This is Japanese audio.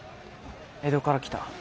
江戸から来た。